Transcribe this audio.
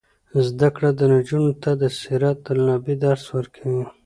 زده کړه نجونو ته د سیرت النبي درس ورکوي.